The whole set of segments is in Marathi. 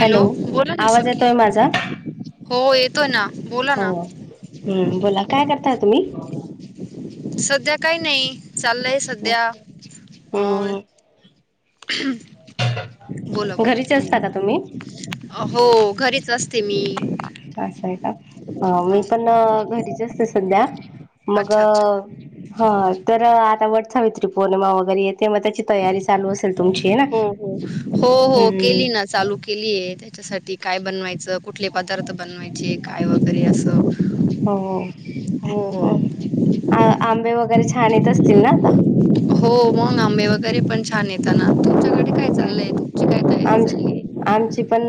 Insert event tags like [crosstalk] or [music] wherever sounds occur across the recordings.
हॅलो बोला ना आवाज सखी येतोय माझा. हो येतोय ना बोला हो, ना हम्म बोला काय करताय तुम्ही? सध्या काही नाही. चाललंय सध्या अ. हम्म हम. बोला-बोला घरीचे तुम्ही असता का बोला हो. घरीच असते मी. अस आहे का. ह हो मी पण घरीच असते सध्या. मग अच्छा अच्छा ह तर आता. सावित्री-पौर्णिमा वैगरे यते हो. हो. हो. हो हम्म केली ना चालू केलीय त्याच्यासाठी. काय बनवायचं. कुठले पदार्थ बनवायचे. काय वगैरे असं. हो हो. ह आंबे वगैरे छान येत असतील ना आता. हो मग आंबे वगैरे पण छान येत ना. हम् आमच्या चालली आहे आमची. पण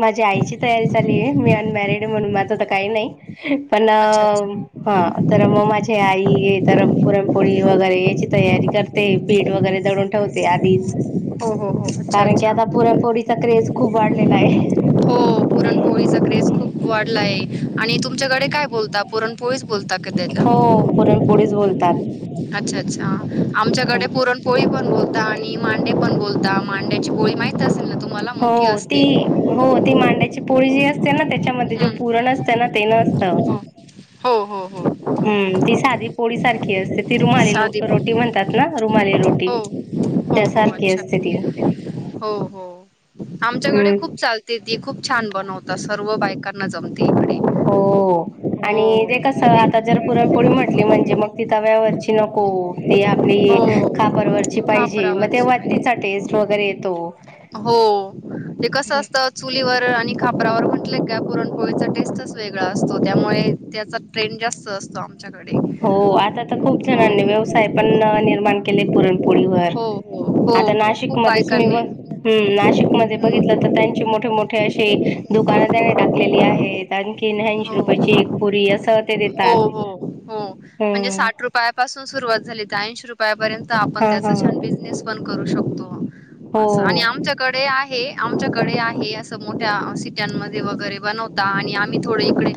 माझ्या आईची तयारी चाली आहे, मी अनमॅरिड म्हणून माझं तर काही नाही. पण अच्छा अच्छा हा तर मग माझे आई तर पुरणपोळी वगैरे तयारी करते पीठ वगैरे मळून ठेवते आधीच. हो हो हो अच्छा कारण की अच्छा, आता पुरणपोळीचा क्रेज खूप वाढलेला आहे हो पुरणपोळीचा क्रेस खूप वाढलाय. आणि तुमच्याकडे काय बोलता पुरणपोळीस. बोलता त्या हो पुरणपोळीच बोलतात अच्छा अच्छा आमच्याकडे पुरणपोळी पण ब [unintelligible] मां पण बोलता, मांड्याची पोळी माहित असेल ना त. हो ती हो ती मांड्याची पोळी जी असते. त्याना त्याच्यामध्ये जो हम्म पुूरण असतं ना ते नसत. हो. हो हो हो. हम् ती साधी पोळी सारखी असते. ती रुमाली साधी हो रोटी म्हणतात ना रुमाली रोटी हो हो त्यासारखी अच्छा, असते ती हो हो आमच्याकडे हम्म खूप चालते ती, खूप छान बनवत. र् व बायकांना जम हो आणि जे कस आता जर पुरणपोळी म्हटली म्हणजे, मग तिथ व्यावरची नक हो. त आपली हो खापरवरची पाहिजे मग ते खापरावरची पाहिजे. वत्तीचा टेस्ट वगैरे. तो. हो ते कस असत चुलीवर आणि खापरावर म्हटलं का पुरणपोळीचा टेस्टच वेगळा असतो त्यामुळे त्याचा ट्रेंड जास्त असतो आम हो आता तर खूप जणांनी व्यवसाय पण निर्माण केले हो, पुरणपोळीवर हो, हो, आता हो खूप नाशिकमध्ये बायकांनी. मध्ये हं, बघितलं तर त्यांचे मोठे मोठे अशी दुकानं त्याने टाकलेली आहेत अन कीन ऐंशी हो. रुपयाची एक पुळी असं ते हो देतात. हो हो म्हणजे हम्म साठ रुपयापासून सुरुवात झाली ऐंशी रुपयापर्यंत आपण हा त्याचा हा छान बिझनेस पण करू शकतो. हो असं आणि आमच्याकडे आहे. हे आमच्याकडे आहे असं मोठ्या सीट्यांमध्ये वगैरे बनवता आणि आम्ही थोडे इकडे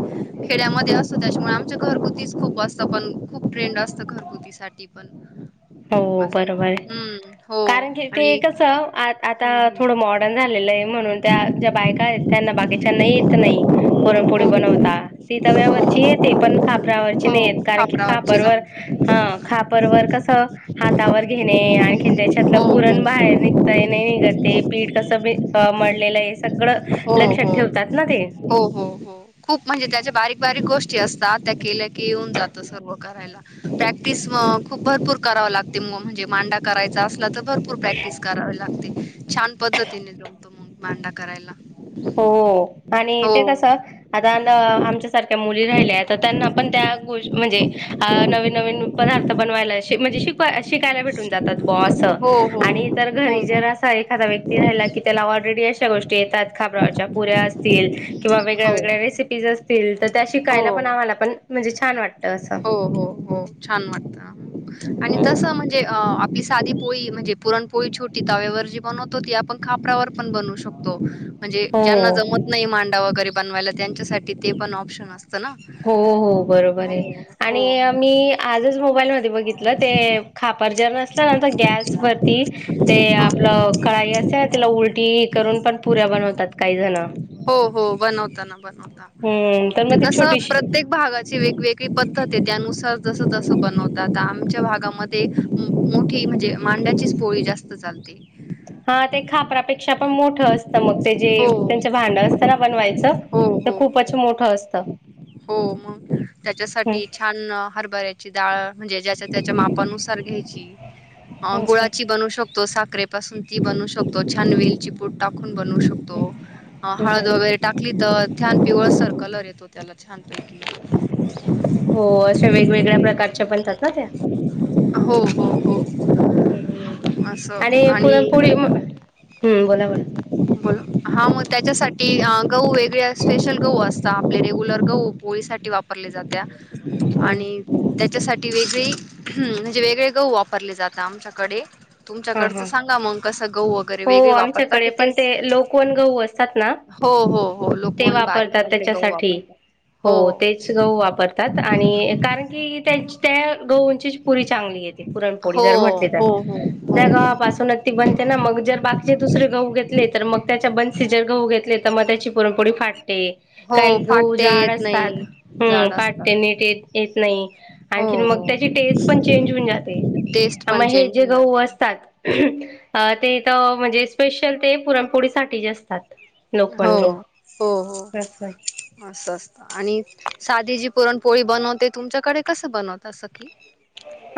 खेड्यामध्ये असतो त्याच्यामुळे आमच्या घरगुतीच खूप असतं पण खूप ट्रेंड असतं घरगुती साठी पण. हो असं बरोबरे हम्म हो कारण की ते आणि कस आ आता हम्म थोडं हम्म मॉडर्न झालेलंय म्हणून त्या ज्या बायका आहेत त्यांना बाकीच्यांना येत नाही पुरणपोळी हो बनवता ती तव्यावरची हो येते पण खापरावरची नाही येत हो कारण की खापरावरची खापरवर जमत ह खापरवर कसं हातावर घेणे आणखीन त्याच्यातलं हो पुरण हो बाहेर निघतय नाही निघते पीठ कसं ह मळलेलस. हो हो हो हो हो खूप म्हणजे त्याच्या बारीक बारीक गोष्टी ज्या असता त्या केल्या की येऊन जात सर्व करायला प्रॅक्टिस अ खूप भरपूर करावी लागते म म्हणजे मांडा करायचा असला त भरपूर प्रॅक्टिस करावे लागते. छान पद्धतीने जमतो मग मांडा करायला. हो आणि ते हो कस आता अ आमच्या सारख्या मुली राहिल्या तर त्यांना पण त्या गोष् म्हणजे अ नवीन नवीन पदार्थ बन बा अस हो हो आणि इतर घरी हो जर अस एखाद्या व्यक्ती राहीला की त्याला ऑलरेडी अशी गोष्टी येतात. खापरावरच्या पुऱ्या असतील मग किंवा वेगळ्यावेगळ्या हो रेसिपीज असतील तर त्या शिकायला हो आम्हाला पण छान वाटत. हो हो हो छान वाटत आणि तस म्हणजे आपली साधी पोळी म्हणजे पुरण पोळी छोटी तव्यावर जी बनवतो ती आपण खापरावर पण बनू शकतो. म्हणजे ज्यांना हो. जमत नाही मांडा वगैरे बनवायला त्यांच्यासाठी ते पण ऑप्शन अस हो हो बरोबर आहे. आणि हो. मी आजच मोबाईल ते खापर जर नसल्या नंतर गॅस वरती ते हां. आपलं कळाई असे तिला उलटी करून पण पुऱ्या बनवतात काही जण बनवताना हम्म तर ते मग ती कस छोटीशी प्रत्येक भागाची वेगवेगळी पद्धत आहे त्यानुसार तस तस बनवत आता आमच्या भागामध्ये मोठी म्हणजे मांड्याचीच पोळी जास्त चालते. हा ते खापरापेक्षा पण मोठं असत. मग ते जे हो. त्यांच भांड असतना बनवायचं हो, ते हो, खूपच हो. मोठं असतं. हो मग हम्म त्याच्यासाठी छान हरभऱ्या ची डाळ म्हणजे ज्याच्या त्याच्या मापानुसार घ्यायची अच्छा गुळाची बनवू शकतो साखरे बसून ती बनवू शकतो छान वेलची पूड टाकून बनवू शकतो हम्म हळद हम्म. वगैरे टाकली तर छान पिवळ सर कलर येतो त्याला छानपैकी हो अशा वेगवेगळ्या प्रकारच्या बनतात ना त्या हो हो हो अस आणि पुरणपोळी म हम्म बोला बोला बोल हा मग त्याच्यासाठी गहू वेगळया स्पेशल गहू असतात आपले रेगु लर्ग पोळी साठी वापरल्या जात्या. हम्म आणि त्या त्याच्यासाठी वेगळी हम्म म्हणजे वेगळे गहू वापरले जातात आमच्याकडे हा तुमच्याकडचं हा. सांगा मग कस गहू वगैरे हो वेगळे वापरता की आमच्याकडे पण तेच, ते लोकवन गहू असतात ना हो हो हो ते लोकवण वापरतात बारीकमधले गहू त्याच्यासाठी. वापरत. हो तेच गहू वापरतात आणि कारण की त्या गहूंची पुरी चांगली येते पुरणपोळी हो जर म्हटली तर हो हो हो [unintelligible] बनते ना मग जर बाकीचे दुसरे गहू घेतले तर मग त्याच्या बनसी जर गहू घेतले. तर मग त्याची पुरणपोळी फाटते. हो काही गहू फाटते जाड येत असतात नाही ह जाड फाटते असतात नीट येत नाही हो आणखी मग हो त्याची टेस्ट पण चेंज होऊन जाते टेस्ट मग पण हे चेंज जे होऊन गहू जाते असते. अ ते तर म्हणजे स्पेशल ते पुरणपोळी साठी जे असतात. हो लोकवन गहू हो हो असं आहे अस आणि साधी जी पुरणपोळी बनवते तुमच्याकडे कस बनवत असती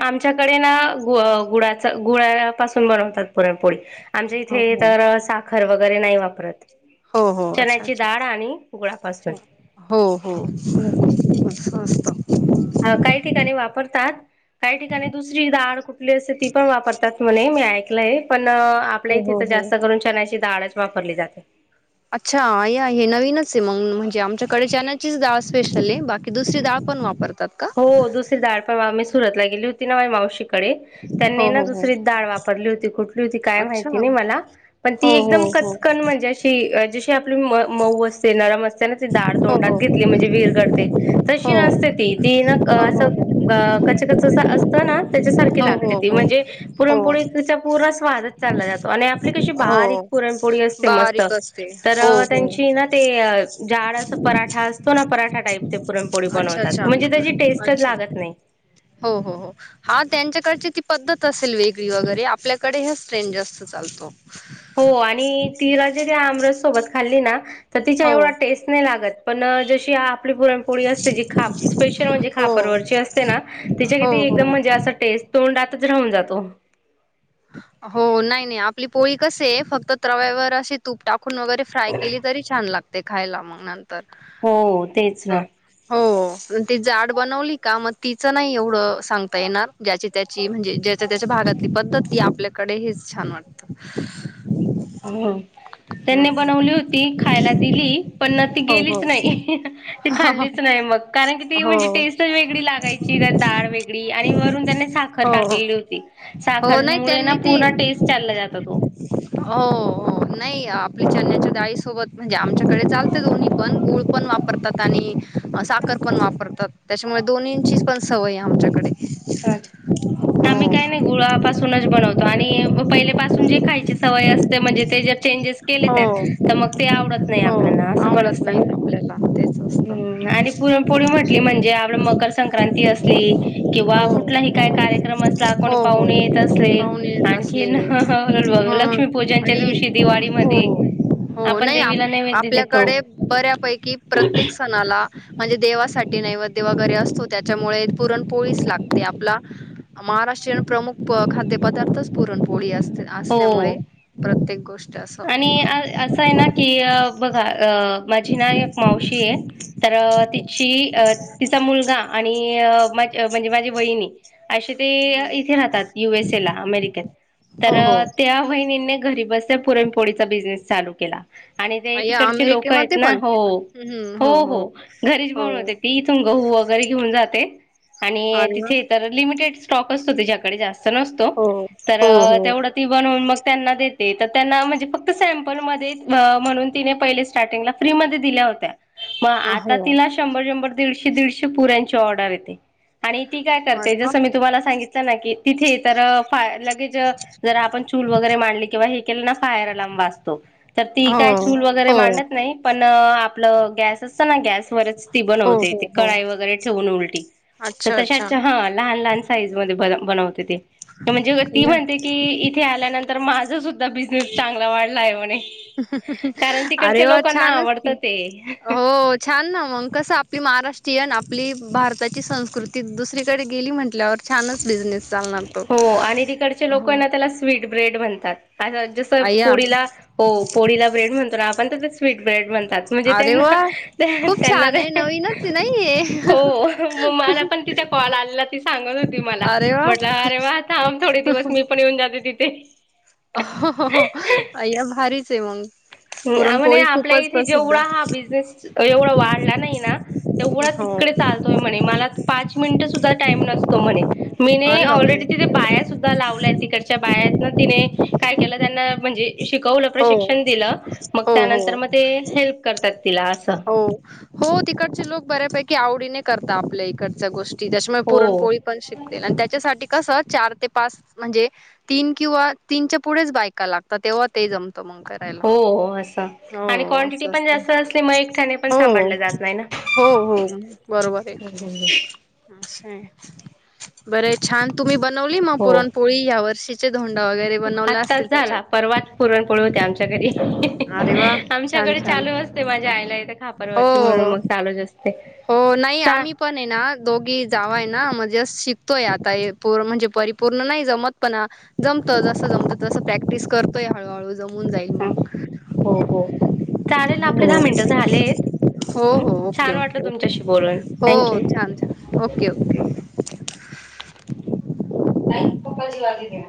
आमच्याकडे ना गु गुळाच गुळा पाासून बनवतात पुरणपोळी. आमच्या हो इथे हो तर साखर वगैर वगैरे नाही वापरत. हो हो अच्छा चण्याची डाळ आणि गुळापासून अच्छा हो हो हम्म हम्म मस्त हा काही ठिकाणी वापरतात काही ठिकाणी दुसरी डाळ कुठली असेल ती पण वापरतात. म्हणे मी ऐकलंय पण न.. आपल्या हो इथे हो तर हो. जास्त करून चण्याची डाळच वापरली जाते अच्छा आहे आहे नवीनच आहे मग म्हणजे आमच्याकडे चन्याचीच डाळ स्पेशल आहे बाकी दुसरी डाळ पण वापरते हो दुसरी दाड पण आम्हीच सुरतला गेली होती ना मावशी कडे त्यांनी हाय हो ना हो हो दुसरीच डाळ वापरली होती कुठली अच्छा माहिती नाही मला. पण ती हो हो एकदम हो कचकन म्हणजे अशी.. जशी म.. मऊ असे नरमच चन्याची दाळ हो तोंडात घेतली म्हणजे विरघळते तशी हो हो नसते ती ग. हो अस हो ग.. कच कच असतं ना त्याच्यासारखी हो लागते ती हो हो म्हणजे हो पुरणपोळीचा पुरा स्वादच चालला जातो आणि आपली कशी बारीक हो पुरणपोळी असते मस्त बारीक असते तर हो हो त्यांची ना ते जाड असं पराठा असतो ना पराठा टाईप ते पुरणपोळी अच्छा बनवतात अच्छा म्हणजे त्याची टेस्टच अच्छा लागत नाही हो हो हो हा त्यांच्याकडची ती पद्धत असेल वेगळी वगैरे आपल्याकडे हेच ट्रेन जास्त चालतो हो आणि तिला जरी आमरस सोबत खाल्ली ना तर तिच्या हो एवढा टेस्ट नाही लागत पण. जशी आप आपली पुरणपोळी असते जी खा.. स्पेशल म्हणजे हो खापरची असते ना त्याच्या हो कि एकदम हो म्हणजे अस टेस्ट तोंडात तच राऊून जातो हो नाही नाही आपली पोळी कसे आहे फक्त त् तव्यावर अशी तूप टाक खून वगैरे फाय केली तरी छान लागते ते खायला मग नंतर तर. हो तेच च.. ना. हो च.. ती जाड बनवली का मग तिचं नाही एवढं सांगता येणार ज्याची त्याची म्हणजे ज्याच्या त्याच्या भागातली पद्धत ती आपल्याकडे हिच छान वाटत हं.. त्यांनी हम्म बनवली होती खायला दिली पण ती हो हो गेलीच नाही ती खाल्लीच नाही मग कारण की ती हो म्हणजे टेस्टच वेगळी लागायची त्यात डाळ वेगळी आणि वरून त्यानी साखर हो हो टाकलेली होती हो, साखर नाही न हाय ना त्यांनी ती पूर्ण टेस्ट चालला जातो तो हो हो हो हो नाही आपली चन्याच्या डाळीसोबत म्हणजे आमच्याकडे चालतं दोन्ही पण गूळ पण वापरतात आणि साखर पण वापरतात त्याच्यामुळे दोन्हींचीच पण सवय आमच्याकडे हो अच्छा आम्ही काही नाही गुळापासूनच बनवतो आणि पहिले पासून जे खायची सवय असते म्हणजे ते जे चेंजेस केले त्यात तर मग आवडत नाही हो आपल्याना अस पण आवडत असतं नाही ना आपल्याला तेच असत हं आणि पुरणपोळी म्हटली म्हणजे आणि मकर संक्रांती अस ते किंवा हो कुठलाही काय कार्यक्रम असला कोणी हो हो पाहुणे येत असले पाहुणे येत आणखी असले हं हं ह लक्ष्मीपूजनच्या आणि दिवशी हो दिवाळीमध्ये हो आपण नाही आप देवीला नैवेद्य देतो. आपल्याकडे बऱ्यापैकी ख. ख. प्रत्येक सणाला म्हणजे देवासाठी नैवेद्य वगैरे असतो त्याच्यामुळे पुरण पोळीच लागते आपला महाराष्ट्रीयन प्रमुख खाद्यपदार्थच पुरणपोळी असते असल्यामुळे हो प्रत्येक गोष्ट असं आणि असं आहे ना की बघा अ माझी ना एक मावशी आहे तर तिची अ तिचा मुलगा आणि म्हणजे माझी बहिणी असे ते इथे राहतात युएस ए ला अमेरिकेत तर हो हो त्या वहिणीने घरी बस पुरणपोळीचा बिझनेस चालू केला आणि ते या तिकडचे लोक आहेत अमेरिकेमध्ये ना पण हो हो हो घरीच बन हो होते ती इथून गहू वगैरे घेऊन जाते आणि अरे वा तिथे तर लिमिटेड स्टॉक असतो त्याच्याकडे जास्त नसतो हो तर हो हो तेवढं ती बनवून मग त्यांना देते तर त्यांना म्हणजे फक्त सॅम्पलमध्ये म्हणून तिने पहिले स्टार्टिंगला फ्री म दिल्या होत्या मग आता हो तिला शंभर शंभर दीडशे दीडशे पुऱ्यांची ऑर्डर येते आणि ती काय करते अरे वा जसं मी तुम्हाला सांगित की तिथे तर फय र के ना [unintelligible] तर ती हो काय चूल वगैरे हो मांडत नाही पण आपलं गॅस असत, ना गॅस चुलीवरचं ती हो बनवते हो हो कडई वगैरे ठेवून उलटी तर अच्छा अच्छा तशा हा लहान लहान साईज म बनवते ते म्हणजे, ती या म्हणते की इथे आल्यानंतर माझं सुद्धा बिझनेस चांगला वाढला आहे म्हणे. कारण अरे तिकडच्या वा लोकांना छानच! की आवडतं ते. हो, छान ना मंग कस आपली महाराष्ट्रीयन आप आपली भारताची संस्कृती दुसरीकडे गेली म्हटल्यावर, छानच बिझनेस चालणार तो हो आणि तिकडचे लोक ना त्याला स्वीट ब्रेड बनतात. आ जस अय्या पोळीला हो पोळीला ब्रेड म्हणत आपण ते स्वीट ब्रेड म्हण म्हणजे अरे वा त्यां खूप त्यांना छान आहे नवीनच नाहीये हो मग मला पण तिचा कॉल आला ती सांगत हो अरे वा म्हटलं अरे! वा थ थोडे दिवस मी पण येऊन जाते. तिथे [inaudible] अ अय्या! भारी. [unintelligible] ह म्हणे आपल्या इथे जेवढा हा बिझनेस एवढा वा नाही ना तेवढ हो तिकडे चालतोय म्हणे, मला पाच मिनिट सुद्धा टाईम नसतो म्हणे, मी अरे बापरे ऑलरेडी तिथे बाया सुद्धा लावल्याय तिकडच्या बायात तिने काय केलं त्यांना म्हणजे, शिकवलं हो प्रशिक्षण दिलं. मग हो त्यानंतर हो मग ते हेल्प करतात. तिला असं हो हो तिकडचे लोक बऱ्यापैकी आवडीने करता आपल्या इकडच्या गोष्टी त्याच्यामुळे हो पुरणपोळी पण शिकते, आणि त्याच्यासाठी कसं चार ते पाच म्हणजे तीन किंवा तीनच्या पुढेच बायका लागतात, तेव्हा ते जम हो असं आणि हो क्वाटिटी असं पण असतं जास्त अस हो हो हो बरोबर आहे. [unintelligible] बरे छान! तुम्ही, बनवली म हो पुरणपोळी या वर्षी. आत्ताच झाला परवाच पुरणपोळी होते, आमच्या घरी, अरे वा छान आमच्याकडे छान चालू असते माझी जायला येते खापर वरची म्हणलं, हो मग चालूच असते. हो नाही चा आम्ही पण आहे, ना दोघी जावा हाय ना म्हणजे शिक तोय. आता म्हणजे परिपूर्ण नाही जमत, पण जमत. जस जमत तस प्रॅक्टिस करतोय हळूहळू. जमून जाईल हं, मग हो हो चालेल आपले हो. दहा मिनटं झालेत हं, हो. छान ओके-ओके. वाटलं तुमच्याशी बोलून हो थँक्यू छान-छान ओके-ओके. आई पप्पा जेवायला गेले